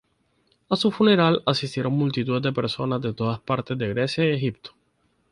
A su funeral asistieron multitudes de personas de todas partes de Grecia y Egipto.